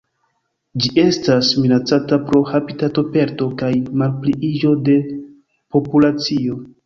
Ĝi estas minacata pro habitatoperdo kaj malpliiĝo de populacio.